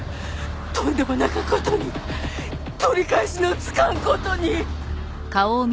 とんでもなか事に取り返しのつかん事に。